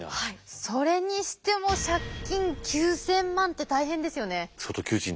それにしても借金９，０００万って大変ですよね。